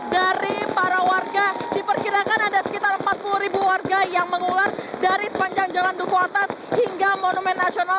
dari para warga diperkirakan ada sekitar empat puluh ribu warga yang mengular dari sepanjang jalan duku atas hingga monumen nasional